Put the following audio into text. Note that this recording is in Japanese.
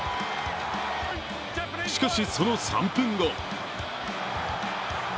しかし、その３分後。